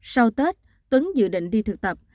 sau tết tuấn dự định đi thực tập